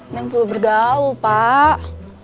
neng perlu bergaul pak